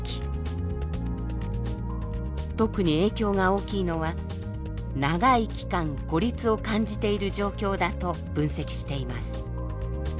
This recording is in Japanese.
特に影響が大きいのは長い期間孤立を感じている状況だと分析しています。